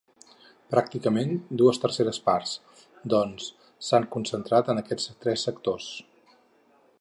Pràcticament dues terceres parts, doncs, s’han concentrat en aquests tres sectors.